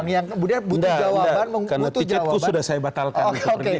yang kemudian butuh jawaban